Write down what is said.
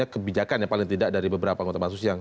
kebijakan ya paling tidak dari beberapa